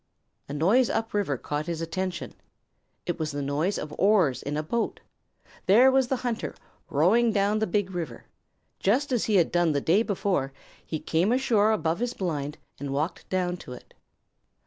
A noise up river caught his attention. It was the noise of oars in a boat. There was the hunter, rowing down the Big River. Just as he had done the day before, he came ashore above his blind and walked down to it.